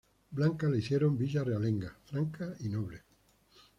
Blanca la hicieron villa realenga, franca y noble.